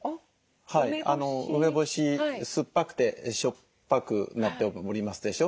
梅干し酸っぱくてしょっぱくなっておりますでしょ。